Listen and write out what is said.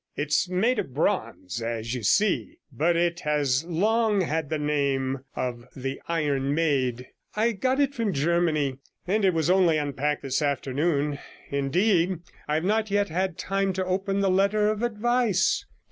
'It's made of bronze, as you see, but it has long had the name of the Iron 99 Maid. I got it from Germany, and it was only unpacked this afternoon; indeed, I have not yet had time to open the letter of advice.